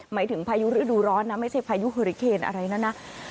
หมายถึงพายุฤดูร้อนนะไม่ใช่พายุเฮอริเคนอะไรแล้วนะ